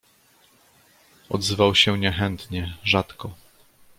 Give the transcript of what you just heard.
"Odzywał się niechętnie, rzadko."